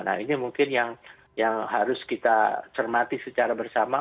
nah ini mungkin yang harus kita cermati secara bersama